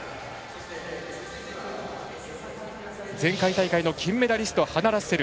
前回大会の金メダリスト、ハナ・ラッセル。